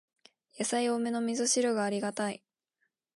やさい多めのみそ汁がありがたい